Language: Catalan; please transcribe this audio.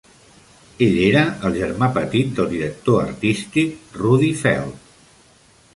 Ell era el germà petit del director artístic Rudi Feld.